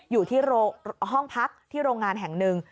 อยู่ที่ห้องพักที่โรงงานแห่งหนึ่ง